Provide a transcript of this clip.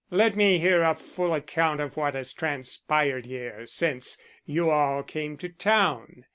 Let me hear a full account of what has transpired here since you all came to town.